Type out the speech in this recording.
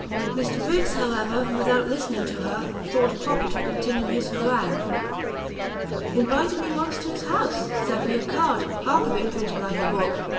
Mr Briggs, however, without listening to her, thought proper to continue his harangue. "Invited me once to his house; sent me a card, half of it printed like a book!